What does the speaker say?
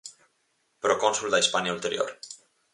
Procónsul da Hispania ulterior.